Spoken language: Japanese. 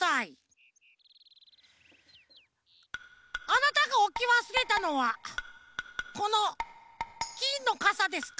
あなたがおきわすれたのはこのきんのかさですか？